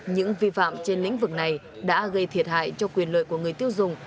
những vi phạm trên lĩnh vực này đã gây thiệt hại cho quyền lợi của người tiêu dùng